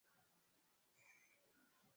na kubwa kisisasa hap nchini Tanzania